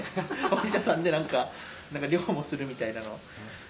お医者さんで何か猟もするみたいなのは。